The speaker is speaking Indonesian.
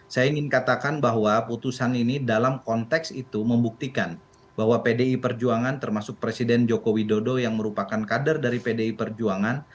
saya ingin katakan bahwa putusan ini dalam konteks itu membuktikan bahwa pdi perjuangan termasuk presiden joko widodo yang merupakan kader dari pdi perjuangan